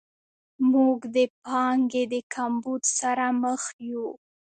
موږ د پانګې د کمبود سره مخ یو.